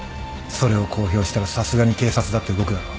それを公表したらさすがに警察だって動くだろ。